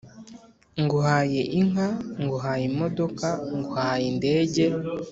nguhaye inka, nguhaye imodoka, nguhaye indege